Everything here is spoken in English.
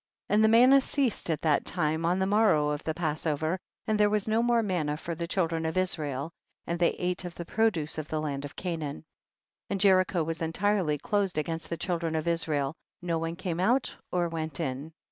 12. And the manna ceased at that time on the morrow of the Passover, and there was no more manna for the children of Israel, and they ate of the produce of the land of Canaan. 13. And Jericho was entirely closed against the children of Israel, no one came out or went in.